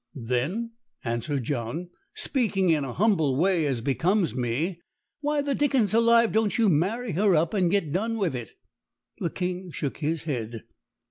"Then," answered John, "speaking in a humble way, as becomes me, why the dickens alive don't you marry her up and get done with it?" The King shook his head.